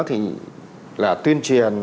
thì là tuyên truyền